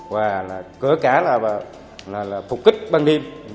và cỡ cả là phục kích ban đêm